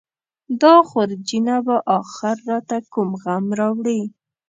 دا خورجینه به اخر راته کوم غم راوړي.